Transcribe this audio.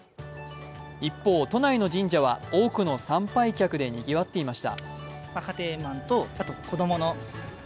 一方、都内の神社は多くの参拝客でにぎわっていました。